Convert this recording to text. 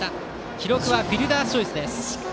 記録はフィルダースチョイスです。